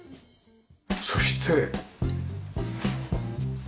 そして。